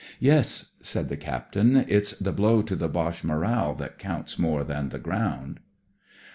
"Yes," said the Captain, "it's the blow to the Boche moral that counts more than the ground."